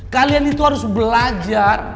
kalian itu harus belajar